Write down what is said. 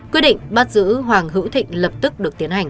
quyết định bắt giữ hoàng hữu thịnh lập tức được tiến hành